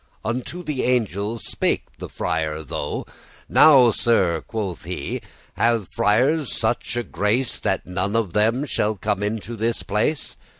Unto the angel spake the friar tho;* *then 'Now, Sir,' quoth he, 'have friars such a grace, That none of them shall come into this place?